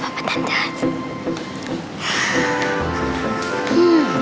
gak apa apa tante